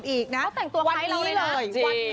พี่ไม่ต้องแต่งตัวไครเราเลยนะ